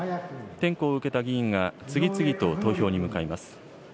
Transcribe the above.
点呼を受けた議員が次々と投票に向かいます。